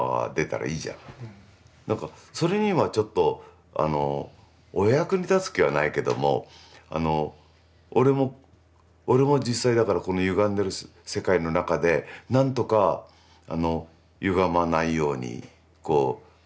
何かそれにはちょっとお役に立つ気はないけども俺も実際だからこのゆがんでる世界の中で何とかゆがまないようにこう。